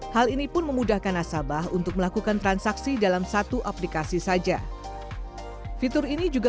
hal ini pun memudahkan nasabah untuk melakukan transaksi dalam satu aplikasi saja fitur ini juga